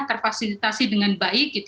terfasilitasi dengan baik